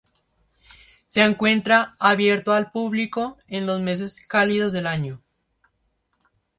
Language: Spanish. Se encuentra abierto al público en los meses cálidos del año.